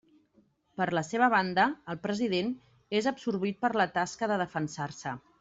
Per la seva banda, el president és absorbit per la tasca de defensar-se.